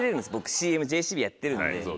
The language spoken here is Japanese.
ＣＭＪＣＢやってるんで。